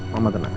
mama tenang aja